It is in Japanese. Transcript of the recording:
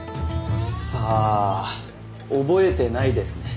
さあ覚えてないですね。